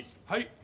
はい。